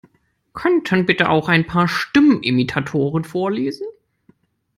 Können bitte auch ein paar Stimmenimitatoren vorlesen?